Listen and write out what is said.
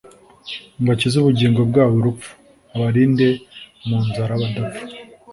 Ngo akize ubugingo bwabo urupfu, abarinde mu nzara badapfa